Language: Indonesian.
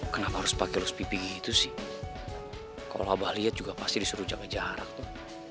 kenapa harus pakai los pipi itu sih kalau abah lihat juga pasti disuruh jaga jarak tuh